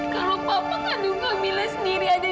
kalau papa mengandung kak mila sendiri ada dalam kemahiran